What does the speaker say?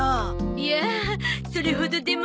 いやそれほどでも。